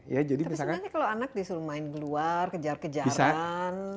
tapi sebenarnya kalau anak disuruh main keluar kejar kejaran